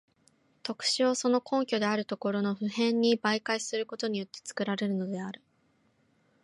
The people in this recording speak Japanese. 特殊をその根拠であるところの普遍に媒介することによって作られるのである。